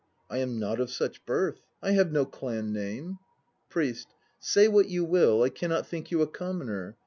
I am not of such birth; I have no clan name. PRIEST. Say what you will, I cannot think you a commoner.